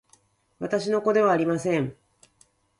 私の子ではありません